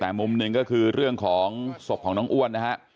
แต่มุมหนึ่งก็คือเรื่องของศพของน้องอ้วนนะฮะ